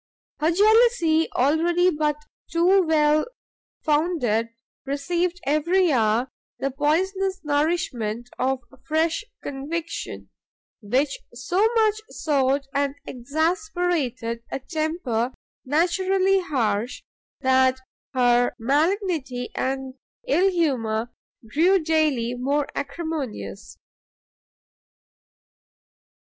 Her jealousy, already but too well founded, received every hour the poisonous nourishment of fresh conviction, which so much soured and exasperated a temper naturally harsh, that her malignity and ill humour grew daily more acrimonious.